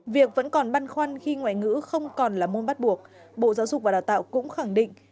việc vẫn còn băn khoăn khi ngoại ngữ không còn là môn bắt buộc bộ giáo dục và đào tạo cũng khẳng định